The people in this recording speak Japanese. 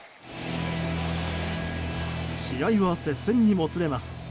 試合は接戦にもつれます。